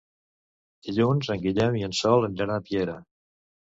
Dilluns en Guillem i en Sol aniran a Piera.